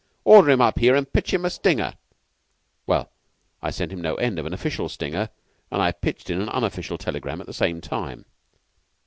Order him up here and pitch in a stinger.' Well, I sent him no end of an official stinger, and I pitched in an unofficial telegram at the same time."